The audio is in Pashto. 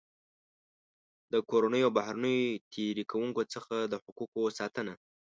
د کورنیو او بهرنیو تېري کوونکو څخه د حقوقو ساتنه.